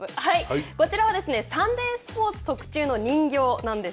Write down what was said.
こちらは、サンデースポーツ特注の人形なんです。